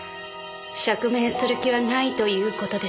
釈明する気はないという事ですか？